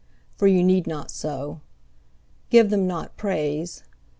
For you need not so. Give them not praise.